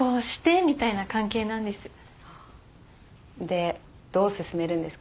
でどう進めるんですか？